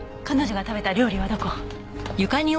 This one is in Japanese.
彼女が食べた料理はどこ？